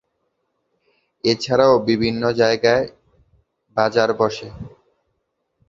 এছাড়াও বিভিন্ন জায়গায় বাজার বসে।